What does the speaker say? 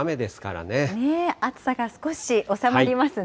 暑さが少し収まりますね。